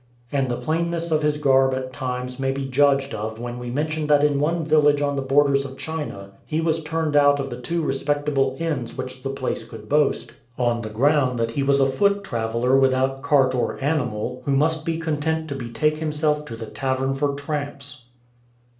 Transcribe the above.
And the plainness of his garb at times may be judged of when we mention that in one village on the borders of China he was turned out of the two respectable inns which the place could boast, on the ground that he was a foot 26 WOLVES AND BANDITS traveller without cart or animal, who must be content to betake himself to the tavern for tramps.